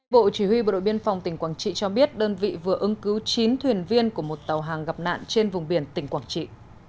bộ chỉ huy bộ đội biên phòng tỉnh quảng trị cho biết đơn vị vừa ứng cứu chín thuyền viên của một tàu hàng gặp nạn trên vùng biển tỉnh quảng trị